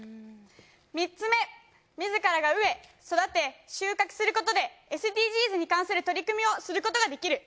３つめ自らが植え育て収穫することでＳＤＧｓに関する取り組みをすることができる。